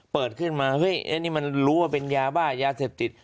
เปิดขึ้นมาเ๒๐๐๔ปั่นต่อเวลาอันนี้รู้ว่าเป็นยาล่ะยาเสพติด